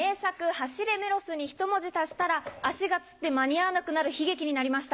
『走れメロス』にひと文字足したら足がつって間に合わなくなる悲劇になりました。